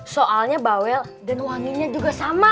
soalnya bawel dan wanginya juga sama